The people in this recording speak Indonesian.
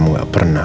ibu siapa tadi